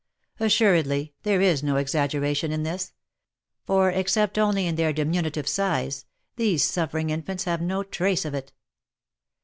Assuredly there is no exaggeration in this; for except only in their diminutive size, these suffering infants have no trace of it.